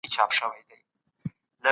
تاسو د وياړونو خاوندان يئ.